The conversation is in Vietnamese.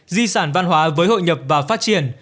di sản văn hóa với hội nhập và phát triển